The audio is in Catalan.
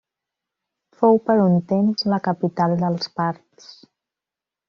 Fou per un temps la capital dels Parts.